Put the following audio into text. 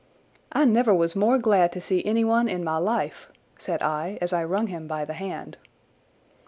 "I never was more glad to see anyone in my life," said I as I wrung him by the hand.